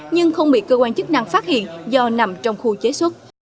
nhưng không bị cơ quan chức năng phát hiện do nằm trong khu chế xuất